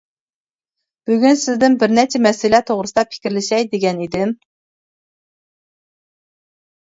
بۈگۈن سىزدىن بىر نەچچە مەسىلە توغرىسىدا پىكىرلىشەي، دېگەن ئىدىم.